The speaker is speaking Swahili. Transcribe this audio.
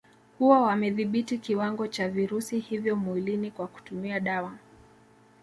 Huwa wamedhibiti kiwango cha virusi hivyo mwilini kwa kutumia dawa